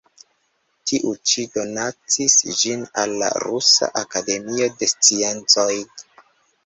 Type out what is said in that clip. Tiu ĉi donacis ĝin al la Rusa Akademio de Sciencoj.